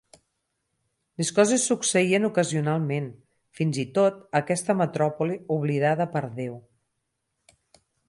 Les coses succeïen ocasionalment, fins i tot a aquesta metròpoli oblidada per Déu.